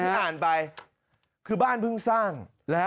ยังไม่อ่านไปคือบ้านเพิ่งสร้างแล้ว